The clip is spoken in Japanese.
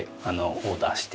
オーダーして？